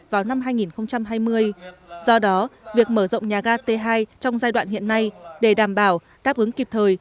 vào năm hai nghìn hai mươi do đó việc mở rộng nhà ga t hai trong giai đoạn hiện nay để đảm bảo đáp ứng kịp thời